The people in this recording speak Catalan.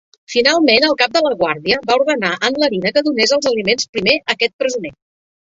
Finalment, el cap de la guàrdia, va ordenar en Larina que donés els aliments primer a aquest presoner.